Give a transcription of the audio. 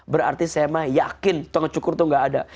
berarti saya emang yakin tukang cukur itu gak ada